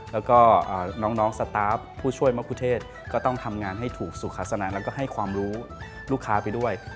แล้วก็น้องสตาร์ฟผู้ช่วยมะคุเทศก็ต้องทำงานให้ถูกสุขาสนาแล้วก็ให้ความรู้ลูกค้าไปด้วย